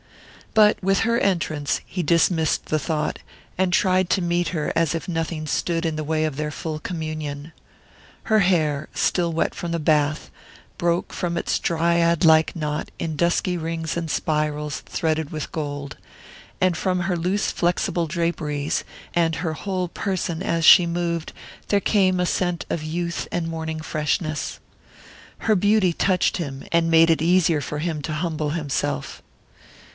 But with her entrance he dismissed the thought, and tried to meet her as if nothing stood in the way of their full communion. Her hair, still wet from the bath, broke from its dryad like knot in dusky rings and spirals threaded with gold, and from her loose flexible draperies, and her whole person as she moved, there came a scent of youth and morning freshness. Her beauty touched him, and made it easier for him to humble himself.